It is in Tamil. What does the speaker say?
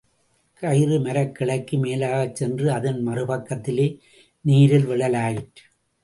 கயிறு மரக் கிளைக்கு மேலாகச் சென்று, அதன் மறு பக்கத்திலே நீரில் விழலாயிற்று.